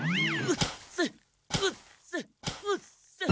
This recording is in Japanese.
うっせ！